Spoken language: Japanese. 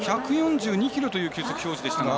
１４２キロという球速表示でしたが。